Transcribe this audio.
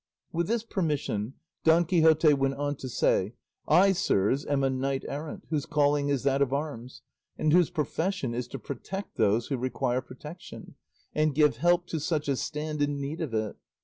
With this permission Don Quixote went on to say, "I, sirs, am a knight errant whose calling is that of arms, and whose profession is to protect those who require protection, and give help to such as stand in need of it.